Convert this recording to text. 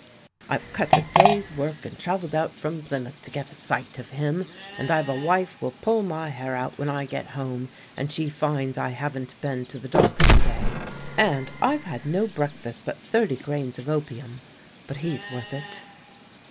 "I've cut a day's work and travelled out from Plymouth to get a sight of him; and I've a wife will pull my hair out when I get home and she finds I haven't been to the docks to day; and I've had no breakfast but thirty grains of opium; but he's worth it."